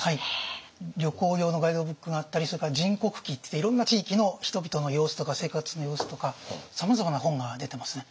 旅行用のガイドブックがあったりそれから「人国記」っていっていろんな地域の人々の様子とか生活の様子とかさまざまな本が出てますね。